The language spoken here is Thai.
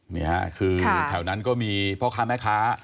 นี่ค่ะคือแถวนั้นก็มีพ่อค้าแม่ค้า